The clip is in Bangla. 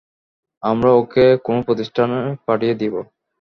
আমরা ওকে কোন প্রতিষ্ঠানে পাঠিয়ে দেবো।